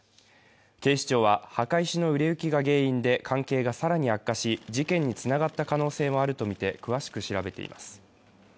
警視庁は墓石の売れ行きが原因で関係が更に悪化し事件につながった可能性もあるとみて詳しく調べています。